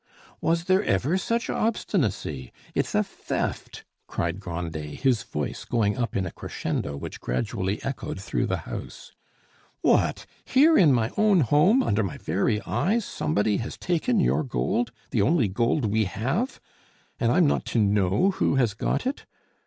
"Was there ever such obstinacy! It's a theft," cried Grandet, his voice going up in a crescendo which gradually echoed through the house. "What! here, in my own home, under my very eyes, somebody has taken your gold! the only gold we have! and I'm not to know who has got it!